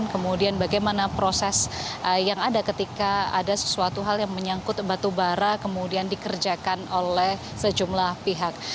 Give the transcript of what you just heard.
kemudian bagaimana proses yang ada ketika ada sesuatu hal yang menyangkut batu bara kemudian dikerjakan oleh sejumlah pihak